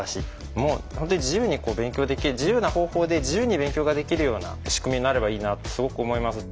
もう本当に自由に勉強できる自由な方法で自由に勉強ができるような仕組みになればいいなってすごく思います。